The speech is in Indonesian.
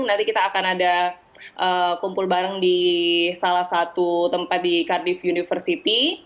nanti kita akan ada kumpul bareng di salah satu tempat di cardif university